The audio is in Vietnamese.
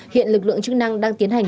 hiện lực lượng chức năng đang tiến hành